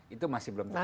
itu masih belum tercapai